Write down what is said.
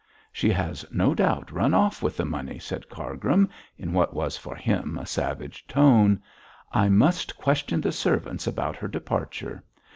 'She has no doubt run off with the money,' said Cargrim, in what was for him a savage tone. 'I must question the servants about her departure.